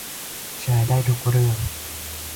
แชร์ได้ทุกเรื่อง